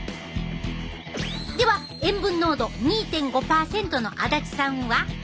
では塩分濃度２．５％の足立さんは？